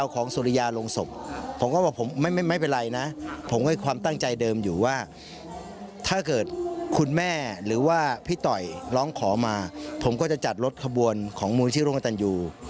ของมูลติธิกรองตรรยู